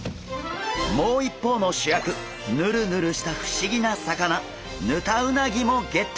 もう一方の主役ヌルヌルした不思議な魚ヌタウナギもゲット！